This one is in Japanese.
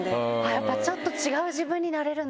やっぱちょっと違う自分になれるんですね。